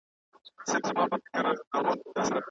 که زده کوونکي تکرار وکړي، پوهه نه کمزورې کېږي.